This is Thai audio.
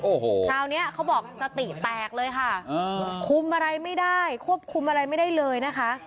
โอ้โหคราวนี้เขาบอกสติแตกเลยค่ะคุมอะไรไม่ได้ควบคุมอะไรไม่ได้เลยนะคะ